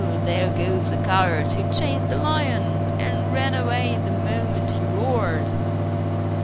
There goes the coward who chased a lion and ran away the moment he roared!"